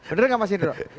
bener nggak pak sindro